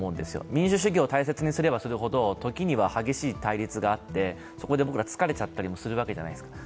民主主義を大切にすればするほど、時には激しい対立があってそこで僕ら、疲れちゃったりもするわけじゃないですか。